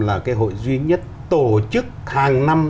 là cái hội duy nhất tổ chức hàng năm